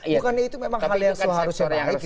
bukannya itu memang hal yang harus diperbaiki